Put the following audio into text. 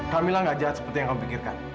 kamilah nggak jahat seperti yang kamu pikirkan